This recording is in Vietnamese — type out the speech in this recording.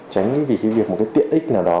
tránh vì việc một cái tiện ích nào đó